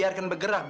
waduh sesigetapa ini